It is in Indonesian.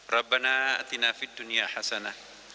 rabbana a'tina fid dunya hasanah